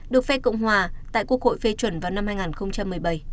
được phe cộng hòa tại quốc hội phê chuẩn vào năm hai nghìn một mươi bảy